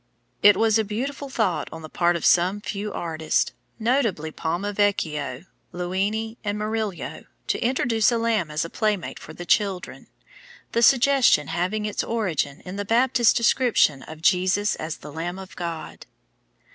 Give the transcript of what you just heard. It was a beautiful thought on the part of some few artists, notably Palma Vecchio, Luini, and Murillo, to introduce a lamb as a playmate for the children, the suggestion having its origin in the Baptist's description of Jesus as the "Lamb of God."